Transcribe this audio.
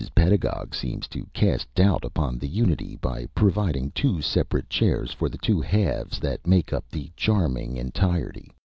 Pedagog seems to cast doubt upon the unity by providing two separate chairs for the two halves that make up the charming entirety.